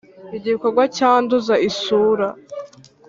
Igikorwa cyanduza isura